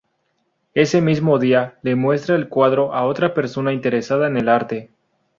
Ese mismo día, le muestra el cuadro a otra persona interesada en el arte.